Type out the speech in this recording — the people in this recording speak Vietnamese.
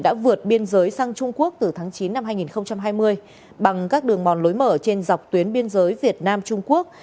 đã vượt biên giới sang trung quốc từ tháng chín năm hai nghìn hai mươi bằng các đường mòn lối mở trên dọc tuyến biên giới việt nam trung quốc